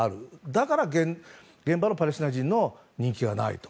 だから現場のパレスチナ人の人気がないと。